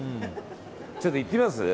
ちょっと行ってみます？